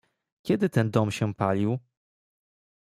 "„Kiedy ten dom się palił?"